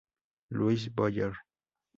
Luis Boyer.